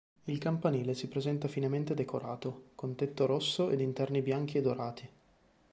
Il campanile si presenta finemente decorato, con tetto rosso ed interni bianchi e dorati.